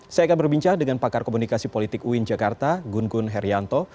saya akan berbincang dengan pakar komunikasi politik uin jakarta gun gun herianto